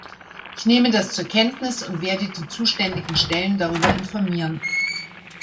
Ich nehme das zur Kenntnis und werde die zuständigen Stellen darüber informieren.